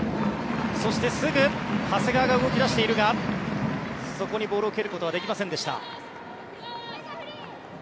そして、すぐ長谷川が動き出しているがそこにボールを蹴ることはできませんでした。